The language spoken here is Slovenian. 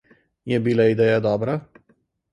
Je bila ideja dobra?